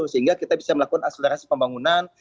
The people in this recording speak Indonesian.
sehingga kita bisa melakukan akselerasi pembangunan